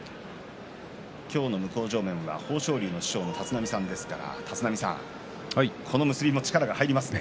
今日の向正面は豊昇龍の師匠の立浪さんですからこの結びも力が入りますね。